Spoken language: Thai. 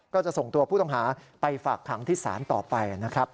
ก็จะส่งตัวผู้ต้องหาไปฝากขังที่ศาลต่อไปนะครับ